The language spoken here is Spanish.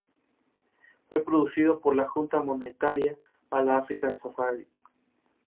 Fue producido por la Junta Monetaria de África Oriental.